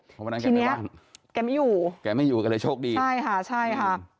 เพราะวันนั้นแกเนี้ยแกไม่อยู่แกไม่อยู่ก็เลยโชคดีใช่ค่ะใช่ค่ะ